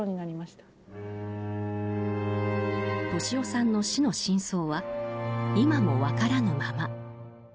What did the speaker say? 俊夫さんの死の真相は今も分からぬまま。